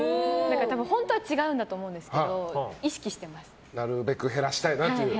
本当は違うんだと思うんですけどなるべく減らしたいなと。